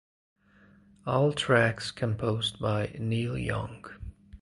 All tracks composed by Neil Young.